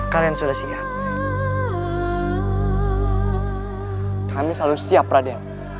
kami selalu siap raden